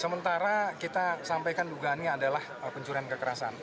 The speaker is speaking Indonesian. sementara kita sampaikan dugaannya adalah pencurian kekerasan